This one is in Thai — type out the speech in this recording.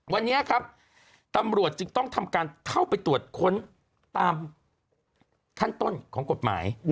วันนี้ครับตำรวจจึงต้องทำการเข้าไปตรวจค้นตามขั้นต้นของกฎหมาย